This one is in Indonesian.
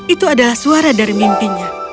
itu adalah suara dari mimpinya